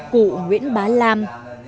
cụ nguyễn bá lam